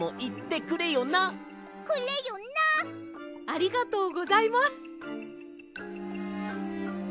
ありがとうございます。